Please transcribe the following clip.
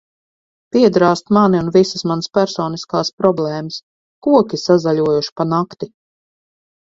Piedrāzt mani un visas manas personiskās problēmas! Koki sazaļojuši pa nakti!